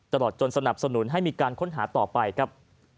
ตลอดจนสนับสนุนให้มีการค้นหาต่อไปครับ